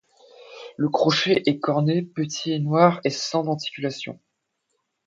Le crochet est corné, petit et noir et sans denticulations.